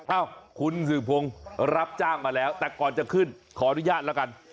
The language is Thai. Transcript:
เอ้าคุณสื่อพงศ์รับจ้างมาแล้วแต่ก่อนจะขึ้นขออนุญาตแล้วกัน